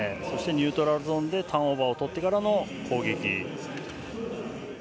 そしてニュートラルゾーンでターンオーバーをとってからの攻撃。